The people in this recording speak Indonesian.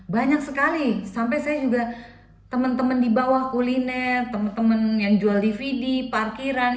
banyak sekali sampai saya juga teman teman di bawah kuliner teman teman yang jual dvd parkiran